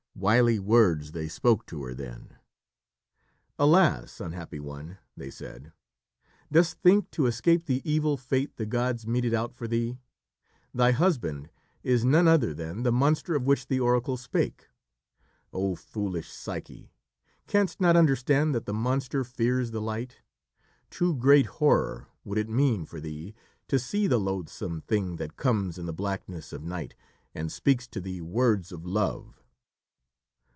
Wily words they spoke to her then. "Alas! unhappy one," they said, "dost think to escape the evil fate the gods meted out for thee? Thy husband is none other than the monster of which the oracle spake! Oh, foolish Psyche! canst not understand that the monster fears the light? Too great horror would it mean for thee to see the loathsome thing that comes in the blackness of night and speaks to thee words of love."